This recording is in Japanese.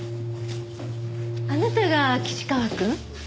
あなたが岸川くん？